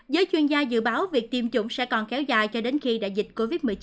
giới chuyên gia dự báo việc tiêm chủng sẽ còn kéo dài cho đến khi đại dịch covid một mươi chín